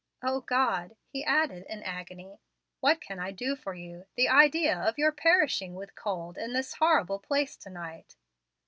O God!" he added in agony, "what can I do for you? The idea of your perishing with cold in this horrible place to night!"